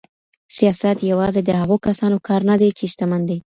سياست يوازې د هغو کسانو کار نه دی چي شتمن دي.